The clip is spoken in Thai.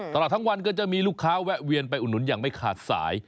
ตลอดทั้งวันก็จะมีลูกค้าแวะเวียนไปอุดหนุนอย่างไม่ขาดสาย